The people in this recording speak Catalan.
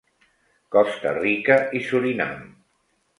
Costa Rica i Surinam.